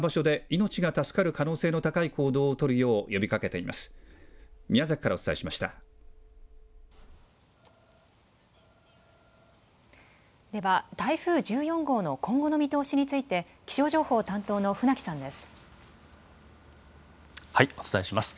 では台風１４号の今後の見通しについて、気象情報担当の船木さんです。